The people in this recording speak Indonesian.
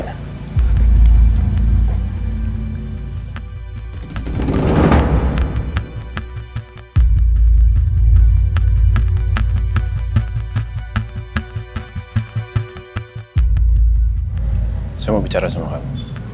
saya mau bicara sama kami